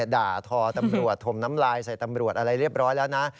ด่าทอตำรวจถมน้ำลายใส่ตำรวจอะไรเรียบร้อยแล้วนะ